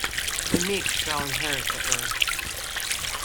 The meek shall inherit the earth.